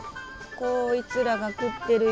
こいつらが食ってるよ。